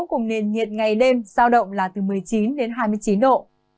cùng nền nhiệt ngày đêm giao động là từ một mươi chín đến hai mươi chín độ